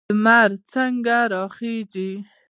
لمر څنګه راخیږي؟